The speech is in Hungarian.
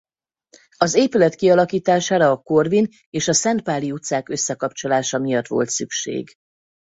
Az épület kialakítására a Corvin és a Szentpáli utcák összekapcsolása miatt volt szükség.